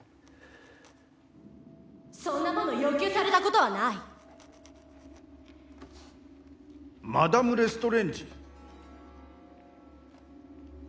そんなもの要求されたことはないマダム・レストレンジ